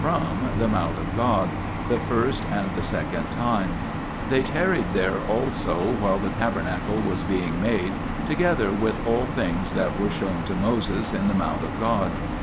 THE PILGRIMAGE OF ETHERIA n mount of God the first and the second time ; they tarried there also while the tabernacle was being made, together with all things that were shown (to Moses) in the mount of God.